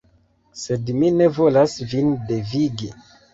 Sed mi ne volas vin devigi.